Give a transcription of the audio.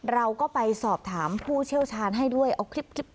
เราก็ไปสอบถามผู้เชี่ยวชาญให้ด้วยเอาคลิป